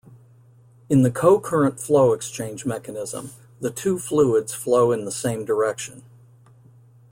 In the cocurrent flow exchange mechanism, the two fluids flow in the same direction.